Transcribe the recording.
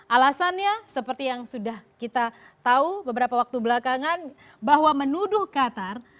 alasannya seperti yang sudah kita tahu beberapa waktu belakangan bahwa menuduh qatar